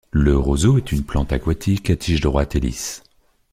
Le roseau est une plante aquatique à tige droite et lisse.